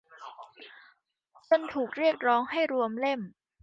จนถูกเรียกร้องให้รวมเล่ม